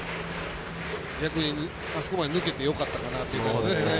逆にあそこまで抜けてよかったかなという。